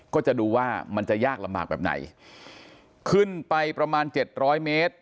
ก็จะดูว่ามันจะยากลำบากแบบไหนขึ้นไปประมาณเจ็ดร้อยเมตร